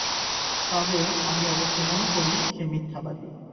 তবে, আমি অবশ্য মনে করি, সে মিথ্যাবাদী।